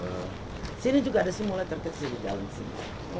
di sini juga ada simulator kecil di dalam sini